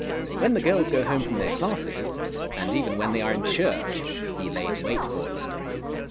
When the girls go home from their classes, and even when they are in church he lays wait for them.